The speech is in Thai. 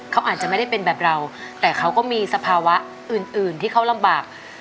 เขาอาจจะไม่ได้เป็นแบบเราแต่เขาก็มีสภาวะอื่นที่เขาลำบาก